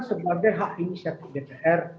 sebagai hak inisiatif dpr